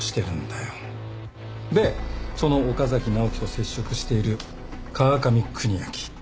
でその岡崎直樹と接触している川上邦明。